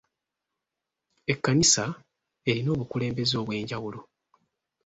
Ekkanisa erina obukulembeze obw'enjawulo.